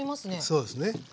そうですね。